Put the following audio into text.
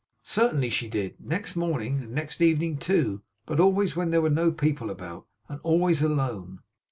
'Certainly she did. Next morning, and next evening too; but always when there were no people about, and always alone.